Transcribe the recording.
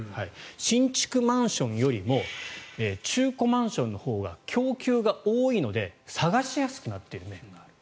新築マンションよりも中古マンションのほうが供給が多いので探しやすくなっている面がある。